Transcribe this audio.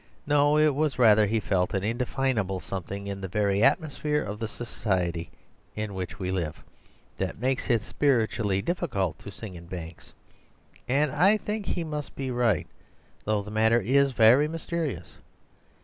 No; it was rather, he felt, an indefinable something in the very atmosphere of the society in which we live that makes it spiritually difficult to sing in banks. And I think he must be right; though the matter is very mysterious.